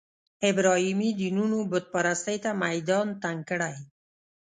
ابراهیمي دینونو بوت پرستۍ ته میدان تنګ کړی.